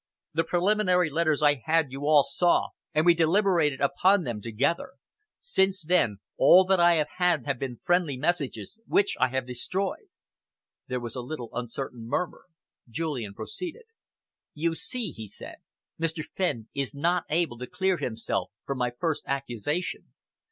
The preliminary letters I had you all saw, and we deliberated upon them together. Since then, all that I have had have been friendly messages, which I have destroyed." There was a little uncertain murmur. Julian proceeded. "You see," he said, "Mr. Fenn is not able to clear himself from my first accusation.